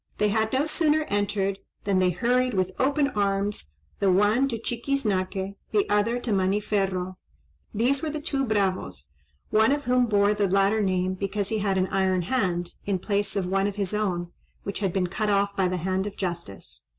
They had no sooner entered, than they hurried with open arms, the one to Chiquiznaque, the other to Maniferro; these were the two bravos, one of whom bore the latter name because he had an iron hand, in place of one of his own, which had been cut off by the hand of justice.